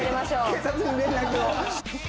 警察に連絡を。